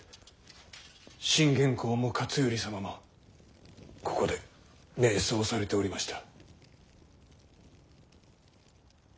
信玄公も勝頼様もここで瞑想されておりました。